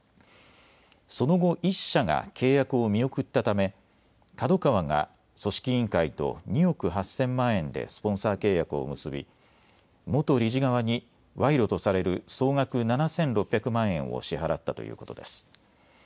その後、１社が契約を見送ったためＫＡＤＯＫＡＷＡが組織委員会と２億８０００万円でスポンサー契約を結び元理事側に賄賂とされる総額７６００万円を支払ったということです。